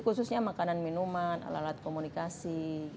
khususnya makanan minuman alat alat komunikasi